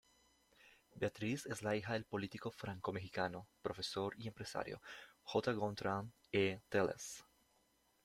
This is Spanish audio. Beatriz es hija del político Franco Mexicano Profesor y empresario J. Gontrán E. Tellez.